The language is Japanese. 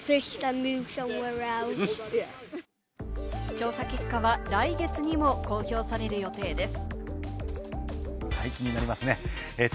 調査結果は来月にも公表される予定です。